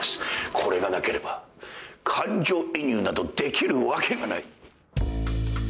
これがなければ感情移入などできるわけがない。